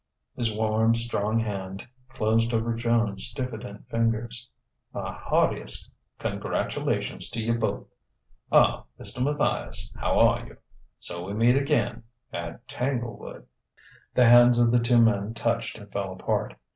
His warm strong hand closed over Joan's diffident fingers. "My heartiest congratulations to you both.... Ah, Mr. Matthias, how are you? So we meet again at Tanglewood!" The hands of the two men touched and fell apart.